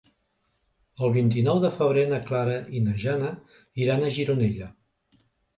El vint-i-nou de febrer na Clara i na Jana iran a Gironella.